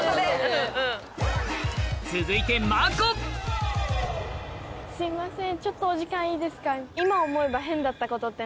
続いてすいません。